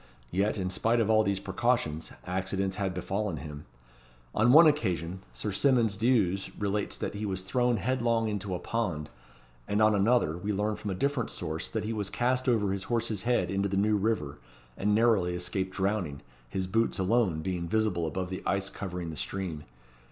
Yet, in spite of all these precautions, accidents had befallen him. On one occasion, Sir Symonds D'Ewes relates that he was thrown headlong into a pond; and on another, we learn from a different source that he was cast over his horse's head into the New River, and narrowly escaped drowning, his boots alone being visible above the ice covering the stream.